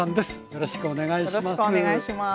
よろしくお願いします。